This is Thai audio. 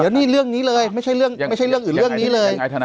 เดี๋ยวนี่เรื่องนี้เลยไม่ใช่เรื่องไม่ใช่เรื่องอื่นเรื่องนี้เลย